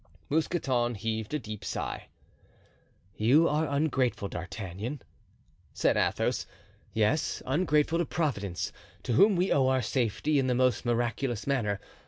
Mousqueton heaved a deep sigh. "You are ungrateful, D'Artagnan," said Athos; "yes, ungrateful to Providence, to whom we owe our safety in the most miraculous manner.